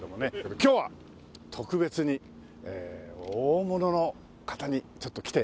今日は特別に大物の方にちょっと来て頂きました。